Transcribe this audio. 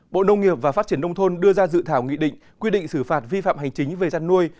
bộ nông nghiệp và phát triển nông thôn đưa ra dự thảo nghị định quy định xử phạt vi phạm hành chính về chăn nuôi